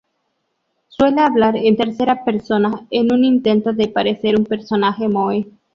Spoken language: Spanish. Suele hablar en tercera persona en un intento de parecer un personaje moe.